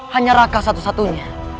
hanya raka satu satunya